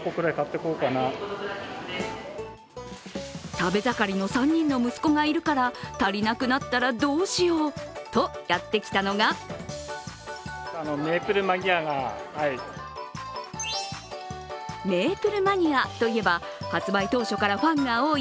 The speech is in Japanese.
食べ盛りの３人の息子がいるから足りなくなったらどうしようとやって来たのがメープルマニアといえば発売当初からファンが多い